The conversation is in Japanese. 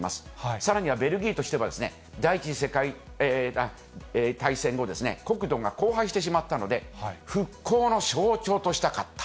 さらには、ベルギーとしてはですね、第１次大戦後、国土が荒廃してしまったので、復興の象徴としたかった。